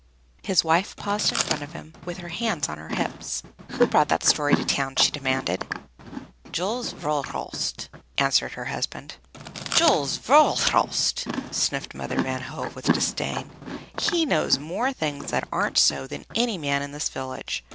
His wife paused in front of him with her hands on her hips. "Who brought that story to town?" she demanded. "Jules Verhulst," answered her husband. "Jules Verhulst!" sniffed Mother Van Hove with disdain. "He knows more things that aren't so than any man in this village.